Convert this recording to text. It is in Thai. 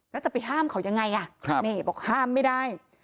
แล้วจะไปห้ามเขายังไงบอกห้ามไม่ได้